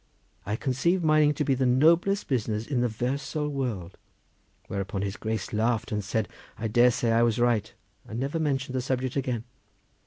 I conceive mining to be the noblest business in the 'versal world.' Whereupon his Grace laughed, and said he dare say I was right, and never mentioned the subject again."